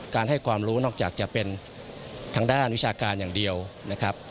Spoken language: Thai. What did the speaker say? ให้ความรู้นอกจากจะเป็นทางด้านวิชาการอย่างเดียวนะครับ